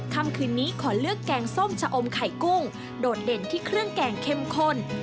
คำคืนนี้ขอเลือกแกงส้มชะอมไข่กุ้งโดดเด่นที่เครื่องแกงเข้มข้น